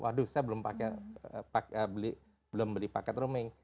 waduh saya belum beli paket rooming